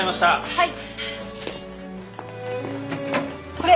はい。